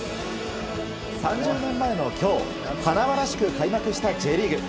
３０年前の今日華々しく開幕したＪリーグ。